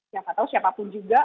siapa tau siapapun juga